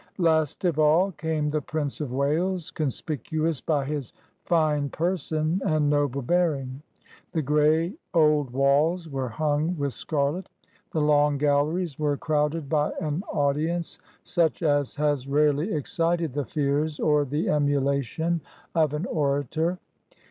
Last of all came the Prince of Wales, conspic uous by his fine person and noble bearing. The gray old walls were hung with scarlet. The long galleries were crowded by an audience such as has rarely excited the fears or the emulation of an orator.